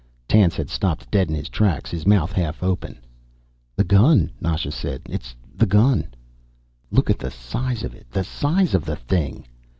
Tance had stopped dead in his tracks, his mouth half open. "The gun," Nasha said. "It's the gun." "Look at the size of it. The size of the thing."